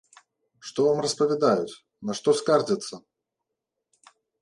Што вам распавядаюць, на што скардзяцца?